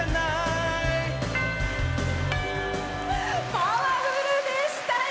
パワフルでしたよ！